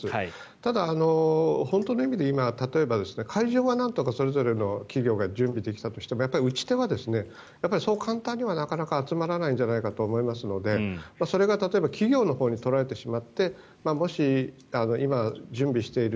ただ、本当の意味で今、例えば会場はなんとかそれぞれの企業が準備できたとしても打ち手はそう簡単には、なかなか集まらないんじゃないかと思いますのでそれが例えば企業のほうに取られてしまってもし今、準備してる